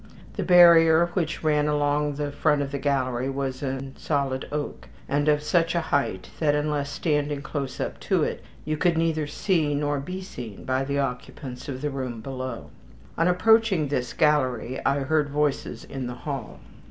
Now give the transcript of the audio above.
The barrier which ran along the front of the gallery was in solid oak, and of such a height that, unless standing close up to it, you could neither see nor be seen by the occupants of the room below. On approaching this gallery I heard voices in the hall.